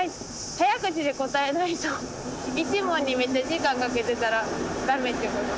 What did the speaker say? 早口で答えないと１問にめっちゃ時間かけてたら駄目ってことですよね。